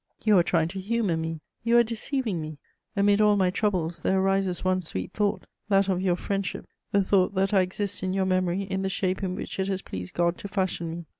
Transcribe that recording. You are trying to humour me, you are deceiving me. Amid all my troubles there arises one sweet thought, that of your friendship, the thought that I exist in your memory in the shape in which it has pleased God to fashion me.